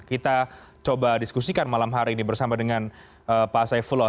kita coba diskusikan malam hari ini bersama dengan pak saifullah